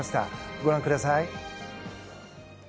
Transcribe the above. ご覧ください。